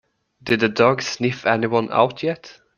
Did the dog sniff anyone out yet?